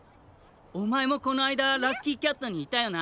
おまえもこのあいだラッキーキャットにいたよな。